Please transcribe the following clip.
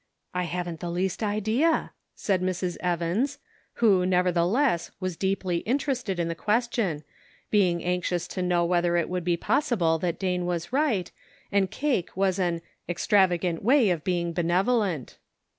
" I haven't the least idea," said Mrs. Evans, who, nevertheless, was deeply interested in the question, being anxious to know whether it would be possible that Dane was right, and cake was an "extravagant way of being be nevolent."